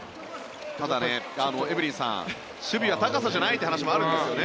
ただ、エブリンさん守備は高さじゃないという話もあるんですよね。